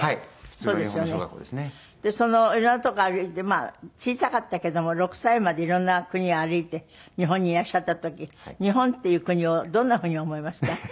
いろんなとこ歩いてまあ小さかったけども６歳までいろんな国歩いて日本にいらっしゃった時日本っていう国をどんな風に思いました？